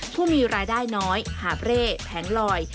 ผู้มีรายได้น้อยหาบเร่แผงลอย